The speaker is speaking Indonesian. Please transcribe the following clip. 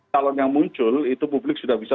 calon yang muncul itu publik sudah bisa